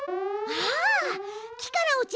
ああ。